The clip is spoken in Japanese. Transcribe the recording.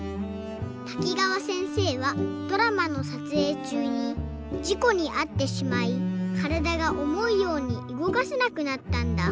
滝川せんせいはドラマのさつえいちゅうにじこにあってしまいからだがおもうようにうごかせなくなったんだ。